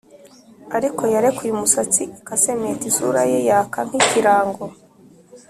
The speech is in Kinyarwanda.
ariko yarekuye umusatsi i 'casement! isura ye yaka nk'ikirango